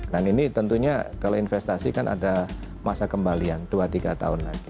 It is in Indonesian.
dan ini tentunya kalau investasi kan ada masa kembalian dua tiga tahun lagi